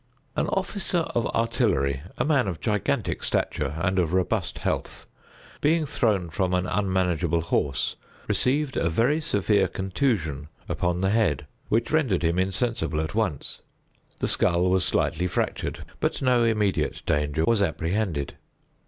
An officer of artillery, a man of gigantic stature and of robust health, being thrown from an unmanageable horse, received a very severe contusion upon the head, which rendered him insensible at once; the skull was slightly fractured, but no immediate danger was apprehended.